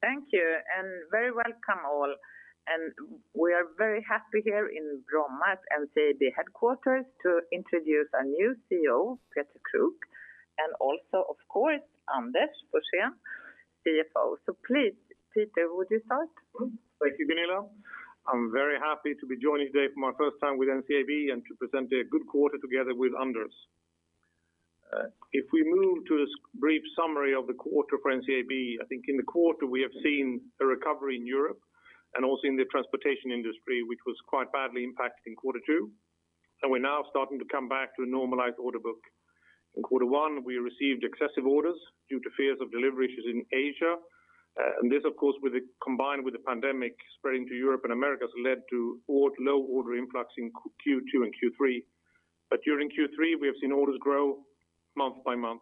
Thank you, and very welcome all. We are very happy here in Bromma at NCAB headquarters to introduce our new CEO, Peter Kruk, and also of course, Anders Forsén, CFO. Please, Peter, would you start? Thank you, Gunilla. I'm very happy to be joining today for my first time with NCAB and to present a good quarter together with Anders. If we move to a brief summary of the quarter for NCAB, I think in the quarter we have seen a recovery in Europe and also in the transportation industry, which was quite badly impacted in quarter two, we're now starting to come back to a normalized order book. In quarter one, we received excessive orders due to fears of delivery issues in Asia. This, of course, combined with the pandemic spreading to Europe and Americas, led to low order influx in Q2 and Q3. During Q3, we have seen orders grow month by month.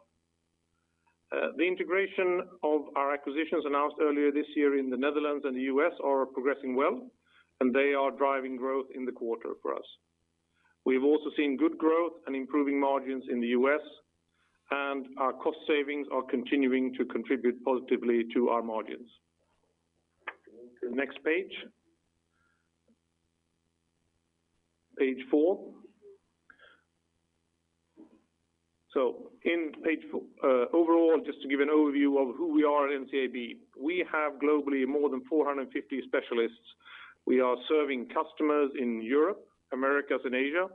The integration of our acquisitions announced earlier this year in the Netherlands and the U.S. are progressing well, and they are driving growth in the quarter for us. We've also seen good growth and improving margins in the U.S., and our cost savings are continuing to contribute positively to our margins. Next page. Page four. In page four, overall, just to give an overview of who we are at NCAB. We have globally more than 450 specialists. We are serving customers in Europe, Americas, and Asia,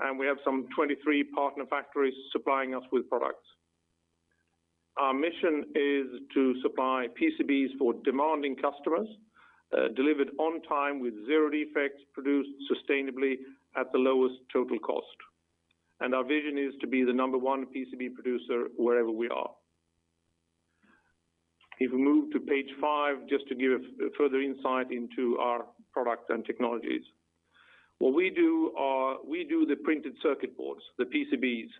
and we have some 23 partner factories supplying us with products. Our mission is to supply PCBs for demanding customers, delivered on time with zero defects, produced sustainably at the lowest total cost. Our vision is to be the number one PCB producer wherever we are. If we move to page five, just to give further insight into our products and technologies. What we do are we do the printed circuit boards, the PCBs,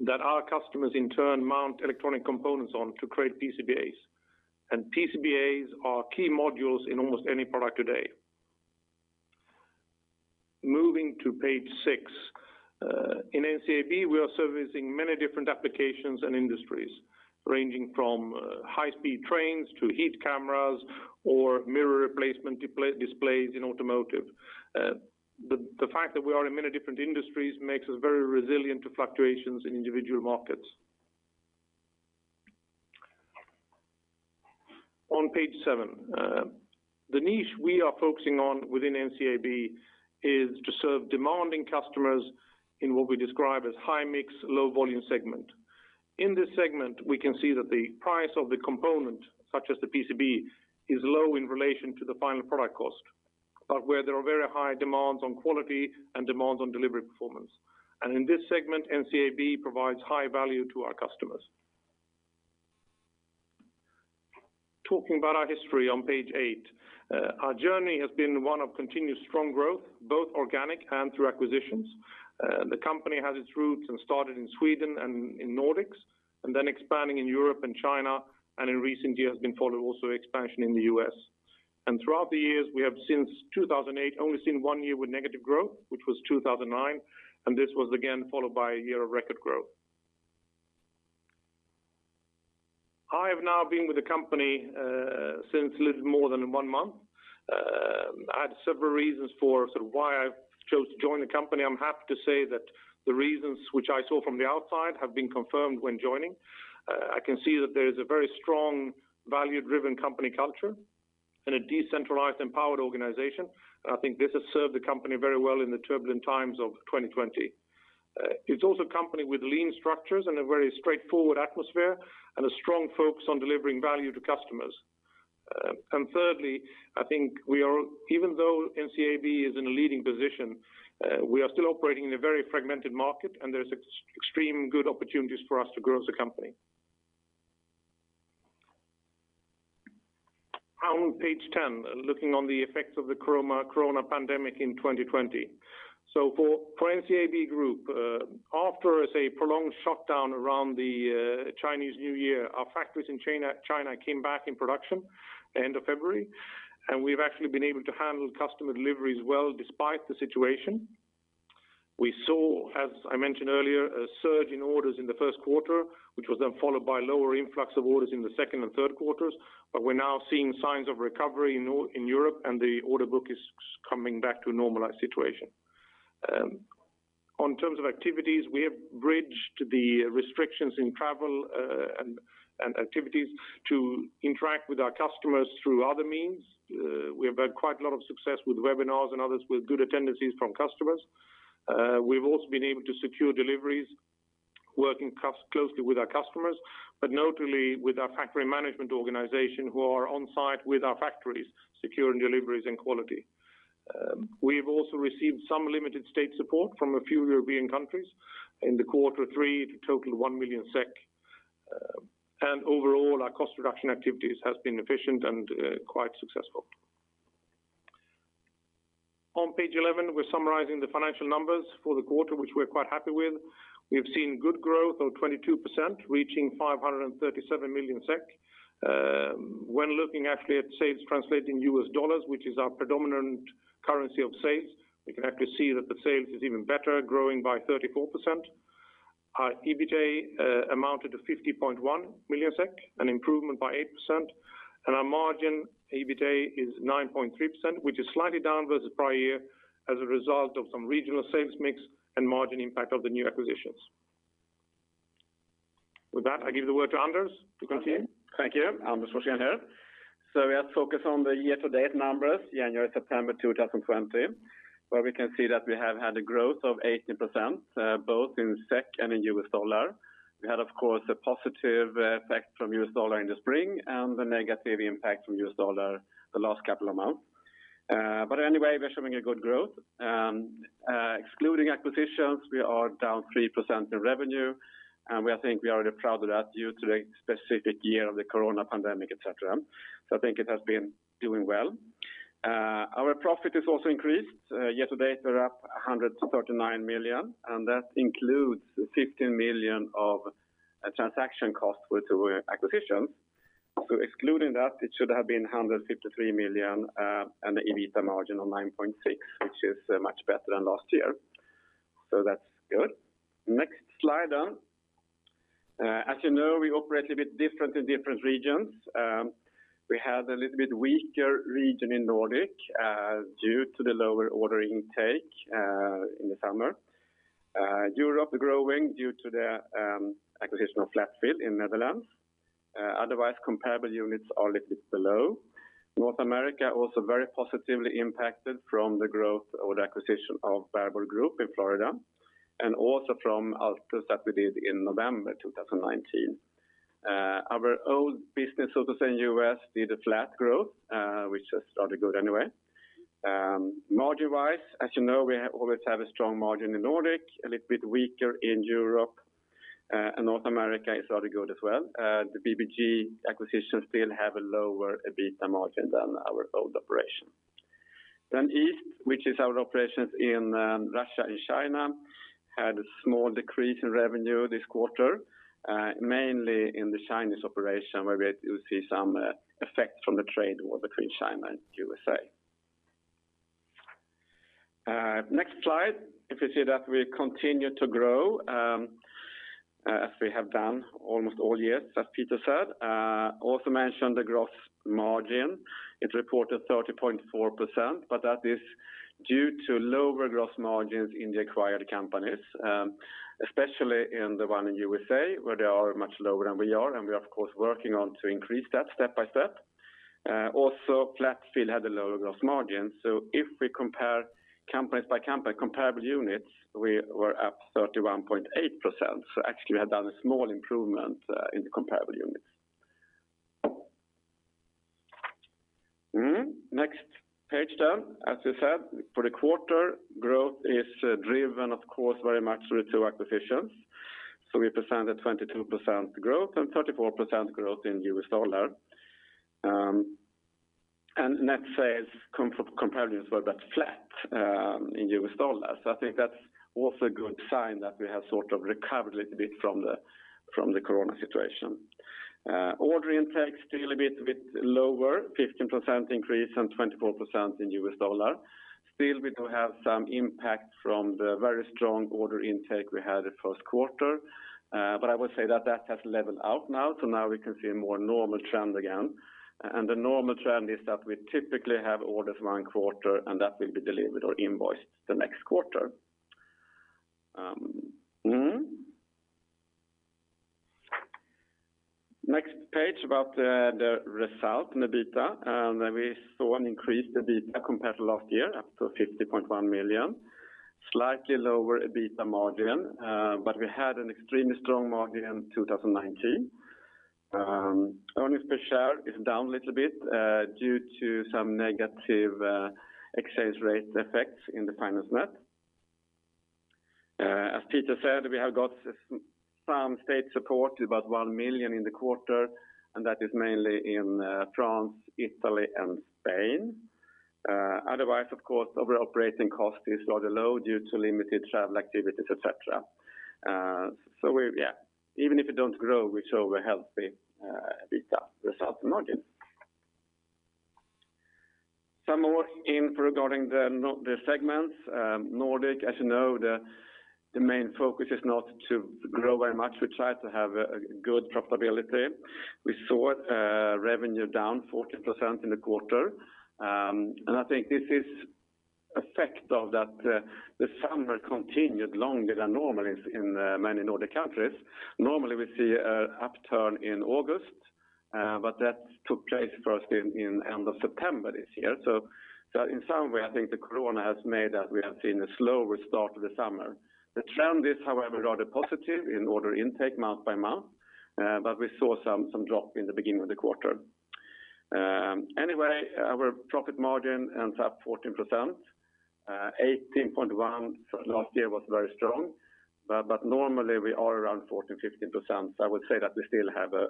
that our customers in turn mount electronic components on to create PCBAs. PCBAs are key modules in almost any product today. Moving to page six. In NCAB, we are servicing many different applications and industries, ranging from high-speed trains to heat cameras or mirror replacement displays in automotive. The fact that we are in many different industries makes us very resilient to fluctuations in individual markets. On page seven. The niche we are focusing on within NCAB is to serve demanding customers in what we describe as high-mix, low-volume segment. In this segment, we can see that the price of the component, such as the PCB, is low in relation to the final product cost, but where there are very high demands on quality and demands on delivery performance. In this segment, NCAB provides high value to our customers. Talking about our history on page eight. Our journey has been one of continuous strong growth, both organic and through acquisitions. The company has its roots and started in Sweden and in Nordics, then expanding in Europe and China, in recent years been followed also expansion in the U.S. Throughout the years, we have since 2008 only seen one year with negative growth, which was 2009, and this was again followed by a year of record growth. I have now been with the company since a little more than one month. I had several reasons for sort of why I chose to join the company. I'm happy to say that the reasons which I saw from the outside have been confirmed when joining. I can see that there is a very strong value-driven company culture and a decentralized, empowered organization. I think this has served the company very well in the turbulent times of 2020. It's also a company with lean structures and a very straightforward atmosphere and a strong focus on delivering value to customers. Thirdly, I think even though NCAB is in a leading position, we are still operating in a very fragmented market and there's extreme good opportunities for us to grow as a company. On page 10, looking on the effects of the corona pandemic in 2020. For NCAB Group, after a prolonged shutdown around the Chinese New Year, our factories in China came back in production end of February, and we've actually been able to handle customer deliveries well despite the situation. We saw, as I mentioned earlier, a surge in orders in the first quarter, which was then followed by lower influx of orders in the second and third quarters. We're now seeing signs of recovery in Europe and the order book is coming back to a normalized situation. On terms of activities, we have bridged the restrictions in travel and activities to interact with our customers through other means. We have had quite a lot of success with webinars and others with good attendances from customers. We've also been able to secure deliveries working closely with our customers. Notably with our factory management organization who are on-site with our factories, securing deliveries and quality. We've also received some limited state support from a few European countries in the quarter three to total 1 million SEK. Overall, our cost reduction activities has been efficient and quite successful. On page 11, we're summarizing the financial numbers for the quarter, which we're quite happy with. We have seen good growth of 22%, reaching 537 million SEK. When looking actually at sales translating US dollars, which is our predominant currency of sales, we can actually see that the sales is even better, growing by 34%. Our EBITA amounted to 50.1 million SEK, an improvement by 8%, and our margin EBITA is 9.3%, which is slightly down versus prior year as a result of some regional sales mix and margin impact of the new acquisitions. With that, I give the word to Anders to continue. Thank you. Anders Forsén here. We are focused on the year-to-date numbers, January to September 2020, where we can see that we have had a growth of 18% both in SEK and in U.S. dollar. We had, of course, a positive effect from U.S. dollar in the spring and the negative impact from U.S. dollar the last couple of months. Anyway, we are showing a good growth. Excluding acquisitions, we are down 3% in revenue. We think we are rather proud of that due to the specific year of the coronavirus pandemic, et cetera. I think it has been doing well. Our profit has also increased. Year-to-date, we're up 139 million, and that includes 15 million of transaction costs with acquisitions. Excluding that, it should have been 153 million, and the EBITA margin of 9.6%, which is much better than last year. That's good. Next slide. As you know, we operate a bit different in different regions. We had a little bit weaker region in Nordic due to the lower order intake in the summer. Europe growing due to the acquisition of Flatfield in Netherlands. Otherwise, comparable units are a little bit below. North America also very positively impacted from the growth or the acquisition of Bare Board Group in Florida, and also from Altus that we did in November 2019. Our own business, so to say, in U.S. did a flat growth, which is rather good anyway. Margin-wise, as you know, we always have a strong margin in Nordic, a little bit weaker in Europe, and North America is rather good as well. The BBG acquisitions still have a lower EBITA margin than our old operation. East, which is our operations in Russia and China, had a small decrease in revenue this quarter, mainly in the Chinese operation where we see some effects from the trade war between China and the U.S. Next slide. If you see that we continue to grow as we have done almost all years, as Peter said. Also mentioned the gross margin. It reported 30.4%, but that is due to lower gross margins in the acquired companies, especially in the one in the U.S. where they are much lower than we are, and we are of course working on to increase that step by step. Also, Flatfield had a lower gross margin. If we compare company by company comparable units, we were up 31.8%. Actually we have done a small improvement in the comparable units. Next page then. As we said, for the quarter, growth is driven, of course, very much through two acquisitions. We presented 22% growth and 34% growth in U.S. dollar. Net sales comparables were about flat in U.S. dollar. I think that's also a good sign that we have sort of recovered a little bit from the coronavirus situation. Order intake still a bit lower, 15% increase and 24% in U.S. dollar. Still we do have some impact from the very strong order intake we had the first quarter, I would say that has leveled out now. Now we can see a more normal trend again. The normal trend is that we typically have orders one quarter and that will be delivered or invoiced the next quarter. Next page about the result in the EBITA. We saw an increase in EBITA compared to last year, up to 50.1 million. Slightly lower EBITA margin, but we had an extremely strong margin in 2019. Earnings per share is down a little bit due to some negative exchange rate effects in the finance net. As Peter said, we have got some state support, about 1 million in the quarter, and that is mainly in France, Italy and Spain. Otherwise, of course, our operating cost is rather low due to limited travel activities, et cetera. Even if we don't grow, we show a healthy EBITA result margin. Some more info regarding the segments. Nordic, as you know, the main focus is not to grow very much. We try to have a good profitability. We saw revenue down 14% in the quarter. I think this is effect of that the summer continued longer than normal in many Nordic countries. Normally we see an upturn in August, but that took place for us in end of September this year. In some way, I think the coronavirus has made that we have seen a slower start to the summer. The trend is, however, rather positive in order intake month-by-month, but we saw some drop in the beginning of the quarter. Anyway, our profit margin ends up 14%, 18.1% last year was very strong. Normally we are around 14%, 15%. I would say that we still have a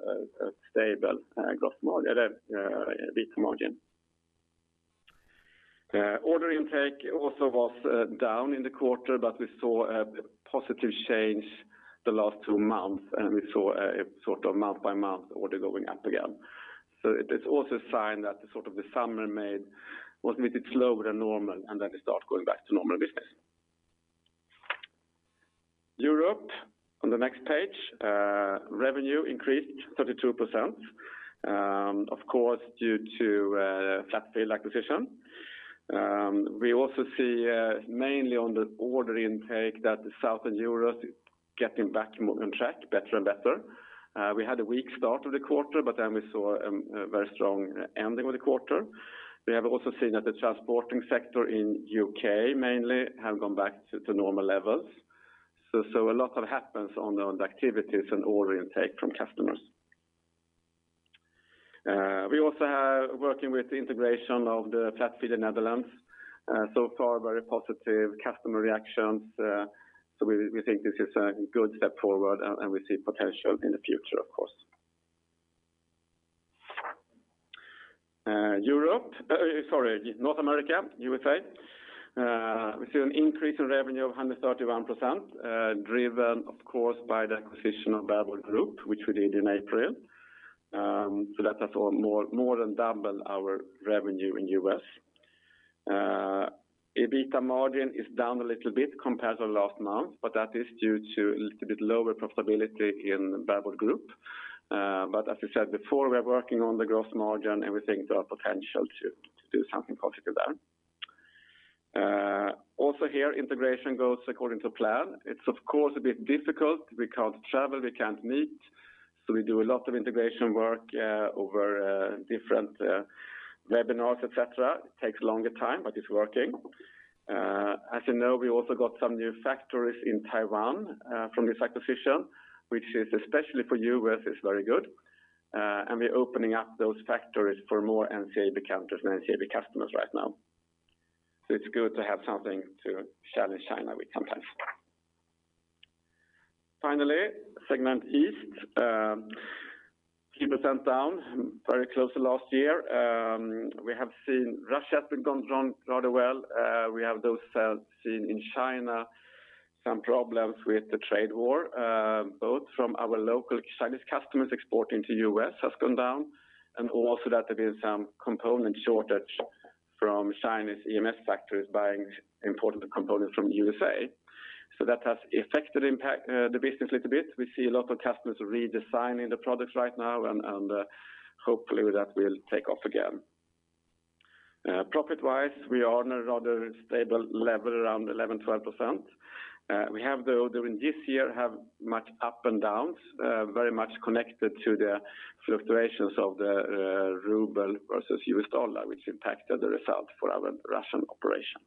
stable EBITA margin. Order intake also was down in the quarter, but we saw a positive change the last two months, and we saw a month-by-month order going up again. It is also a sign that the summer was a bit slower than normal, and then it start going back to normal business. Europe, on the next page. Revenue increased 32%, of course, due to the Flatfield acquisition. We also see, mainly on the order intake, that the Southern Europe is getting back on track better and better. We had a weak start of the quarter, but then we saw a very strong ending of the quarter. We have also seen that the transporting sector in U.K. mainly have gone back to normal levels. A lot happens on the activities and order intake from customers. We also are working with the integration of the Flatfield in Netherlands. So far, very positive customer reactions. We think this is a good step forward, and we see potential in the future, of course. North America, U.S.A. We see an increase in revenue of 131%, driven, of course, by the acquisition of Bare Board Group, which we did in April. That has more than doubled our revenue in U.S. EBITDA margin is down a little bit compared to last month, but that is due to a little bit lower profitability in Bare Board Group. As I said before, we are working on the gross margin, everything to our potential to do something positive there. Also here, integration goes according to plan. It's of course a bit difficult. We can't travel, we can't meet, we do a lot of integration work over different webinars, et cetera. It takes a longer time, but it's working. As you know, we also got some new factories in Taiwan from this acquisition, which, especially for U.S., is very good. We're opening up those factories for more NCAB customers right now. It's good to have something to challenge China with sometimes. Finally, segment East. 3% down, very close to last year. We have seen Russia has been going rather well. We have those sales. In China, some problems with the trade war, both from our local Chinese customers exporting to U.S. has gone down, and also that there's been some component shortage from Chinese EMS factories buying imported components from U.S.A. That has affected the business a little bit. We see a lot of customers redesigning the products right now, and hopefully that will take off again. Profit-wise, we are on a rather stable level, around 11%, 12%. We have, though, during this year, have much up and downs, very much connected to the fluctuations of the ruble versus U.S. dollar, which impacted the result for our Russian operation.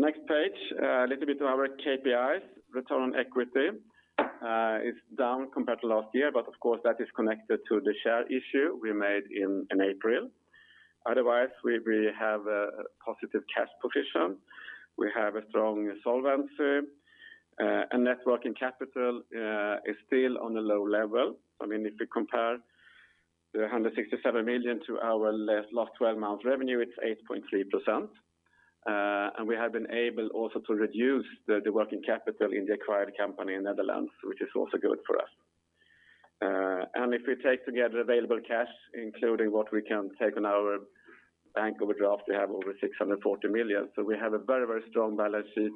Next page, a little bit to our KPIs. Return on equity is down compared to last year. Of course, that is connected to the share issue we made in April. Otherwise, we have a positive cash position. We have a strong solvency. Net working capital is still on a low level. If we compare the 167 million to our last 12 months revenue, it's 8.3%. We have been able also to reduce the working capital in the acquired company in Netherlands, which is also good for us. If we take together available cash, including what we can take on our bank overdraft, we have over 640 million. We have a very strong balance sheet.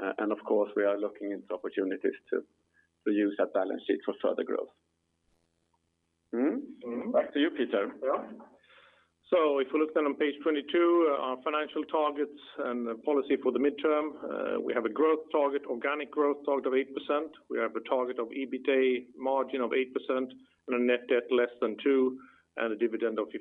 Of course, we are looking into opportunities to use that balance sheet for further growth. Back to you, Peter. Yeah. If we look then on page 22, our financial targets and the policy for the midterm. We have a growth target, organic growth target of 8%. We have a target of EBITA margin of 8% and a net debt less than two, and a dividend of 50%.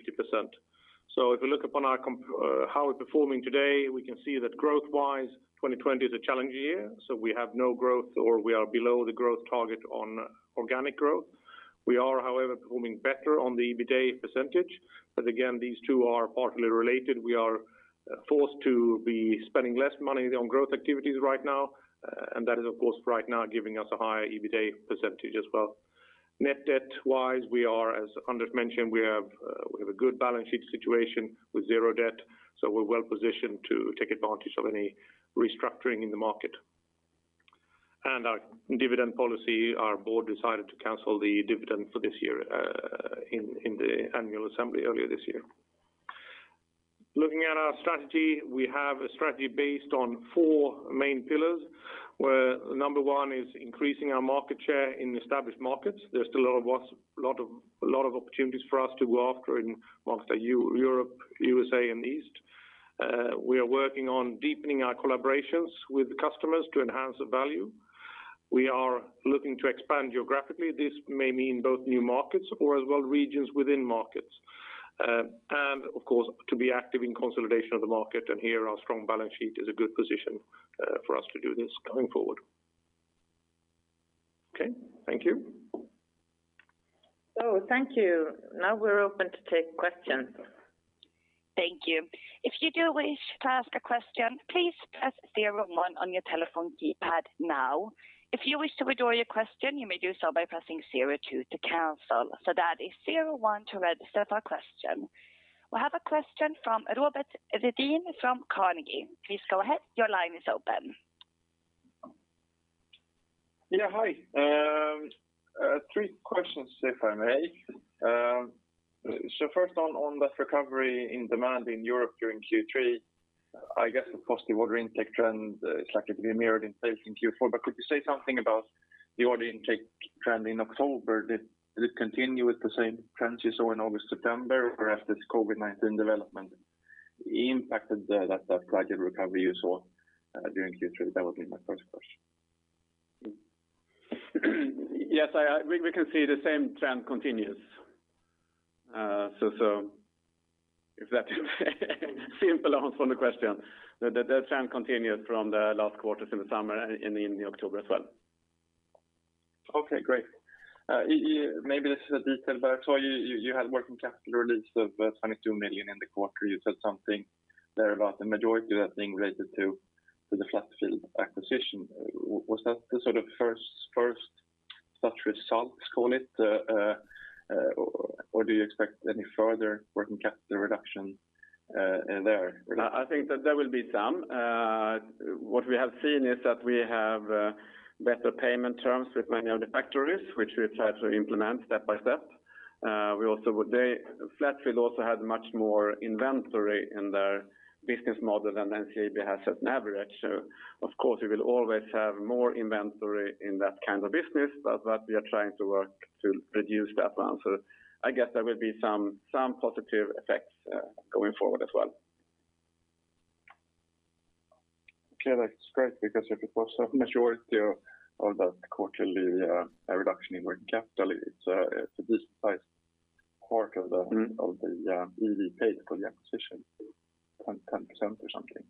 If we look upon how we're performing today, we can see that growth-wise, 2020 is a challenge year, so we have no growth or we are below the growth target on organic growth. We are, however, performing better on the EBITA percentage. Again, these two are partly related. We are forced to be spending less money on growth activities right now, and that is, of course, right now giving us a higher EBITA percentage as well. Net debt-wise, as Anders mentioned, we have a good balance sheet situation with zero debt, so we're well positioned to take advantage of any restructuring in the market. Our dividend policy, our board decided to cancel the dividend for this year in the annual assembly earlier this year. Looking at our strategy, we have a strategy based on four main pillars, where number one is increasing our market share in established markets. There's still a lot of opportunities for us to go after in North Europe, U.S.A., and East. We are working on deepening our collaborations with customers to enhance the value. We are looking to expand geographically. This may mean both new markets or as well regions within markets. Of course, to be active in consolidation of the market, and here our strong balance sheet is a good position for us to do this going forward. Okay, thank you. Thank you. Now we're open to take questions. Thank you. If you do wish to ask a question, please press zero one on your telephone keypad now. If you wish to withdraw your question, you may do so by pressing zero two to cancel. That is zero one to register for a question. We have a question from Robert Redin from Carnegie. Please go ahead. Your line is open. Yeah, hi. Three questions if I may. First on that recovery in demand in Europe during Q3, I guess, of course, the order intake trend is likely to be mirrored in sales in Q4. Could you say something about the order intake trend in October? Did it continue with the same trends you saw in August, September, or has this COVID-19 development impacted that gradual recovery you saw during Q3? That would be my first question. Yes, we can see the same trend continues. If that is a simple answer on the question, the trend continued from the last quarters in the summer and in October as well. Okay, great. Maybe this is a detail, but I saw you had working capital release of 22 million in the quarter. You said something there about the majority of that being related to the Flatfield acquisition. Was that the sort of first such result, call it, or do you expect any further working capital reduction there? I think that there will be some. What we have seen is that we have better payment terms with many of the factories, which we've tried to implement step by step. Flatfield also had much more inventory in their business model than NCAB has as an average. Of course we will always have more inventory in that kind of business, but we are trying to work to reduce that amount. I guess there will be some positive effects going forward as well. Okay. That's great because if it was a majority of that quarterly reduction in working capital, it's a decent size quarter of the EV paid for the acquisition, 10% or something.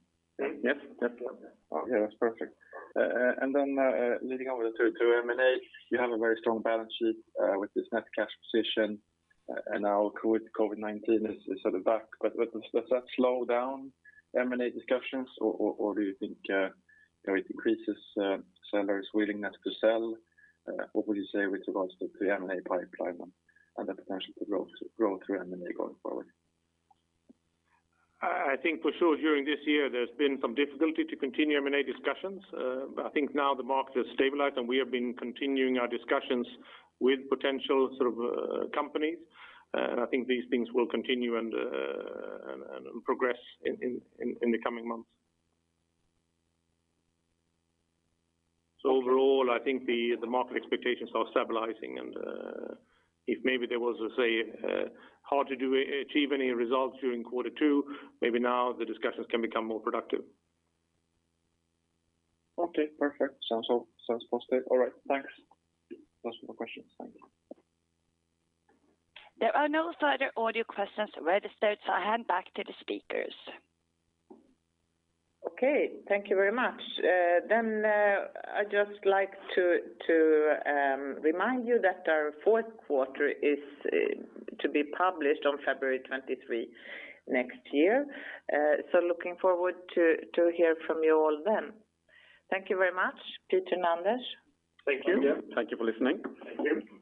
Yes, definitely. Okay, that's perfect. Leading over to M&A, you have a very strong balance sheet with this net cash position, now COVID-19 is at the back. Does that slow down M&A discussions or do you think it increases sellers' willingness to sell? What would you say with regards to the M&A pipeline and the potential growth through M&A going forward? I think for sure during this year there's been some difficulty to continue M&A discussions. I think now the market has stabilized, and we have been continuing our discussions with potential companies. I think these things will continue and progress in the coming months. Overall, I think the market expectations are stabilizing and if maybe there was, say, hard to achieve any results during quarter two, maybe now the discussions can become more productive. Okay, perfect. Sounds positive. All right, thanks. Those were my questions. Thank you. There are no further audio questions registered, so I hand back to the speakers. Okay, thank you very much. I'd just like to remind you that our fourth quarter is to be published on February 23 next year. Looking forward to hear from you all then. Thank you very much. Peter and Anders. Thank you. Yeah, thank you for listening. Thank you.